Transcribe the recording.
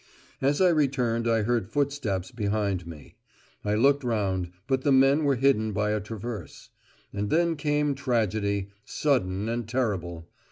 As I returned I heard footsteps behind me. I looked round, but the men were hidden by a traverse. And then came tragedy, sudden, and terrible.